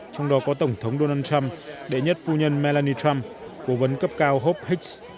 trong đó có tổng thống donald trump đệ nhất phu nhân melanie trump cố vấn cấp cao hope hicks